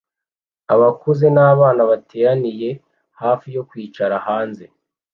Abakuze n'abana bateraniye hafi yo kwicara hanze